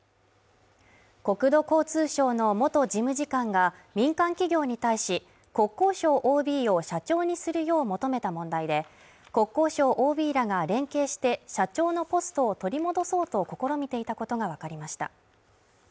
国土交通省の元事務次官が民間企業に対し、国交省ＯＢを社長にするよう求めた問題で、国交省ＯＢらが連携して、社長のポストを取り戻そうと試みていたことがわかりました。